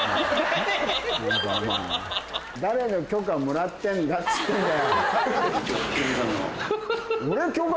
誰の許可もらってんだっつってんだよ。